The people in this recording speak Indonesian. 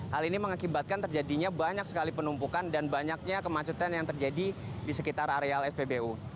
hal ini mengakibatkan terjadinya banyak sekali penumpukan dan banyaknya kemacetan yang terjadi di sekitar areal spbu